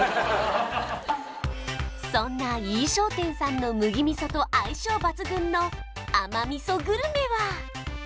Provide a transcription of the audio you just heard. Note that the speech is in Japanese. そんな井伊商店さんの麦味噌と相性抜群の甘味噌グルメは？